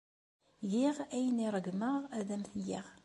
Giɣ ayen ay ṛeggmeɣ ad am-t-geɣ.